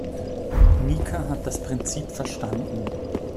Mika hat das Prinzip verstanden.